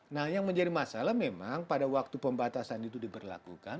nah yang menjadi masalah memang pada waktu pembatasan itu diberlakukan